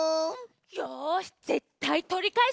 よしぜったいとりかえすわ！